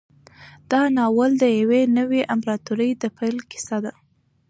دا ناول د یوې نوې امپراطورۍ د پیل کیسه ده.